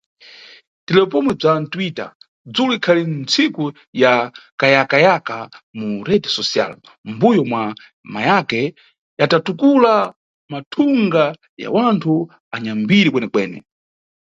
Tilewe pomwe bzwa Twitter, dzulo ikhali ntsiku ya kayakayaka mu rede social, mʼmbuyo mwa mahacker yatatukula mathungwa ya wanthu anyambiri kwenekwene.